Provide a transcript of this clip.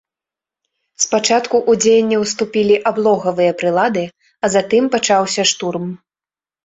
Спачатку ў дзеянне ўступілі аблогавыя прылады, а затым пачаўся штурм.